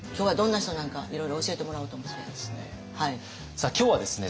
さあ今日はですね